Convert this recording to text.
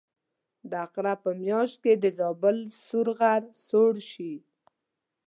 د عقرب په میاشت کې د زابل سور غر سوړ شي.